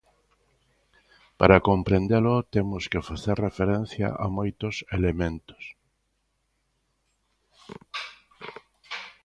Para comprendelo temos que facer referencia a moitos elementos.